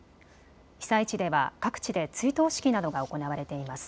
被災地では各地で追悼式などが行われています。